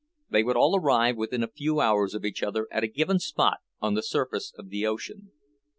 They would all arrive within a few hours of each other at a given spot on the surface of the ocean.